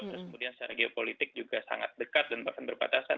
terus kemudian secara geopolitik juga sangat dekat dan berpatasan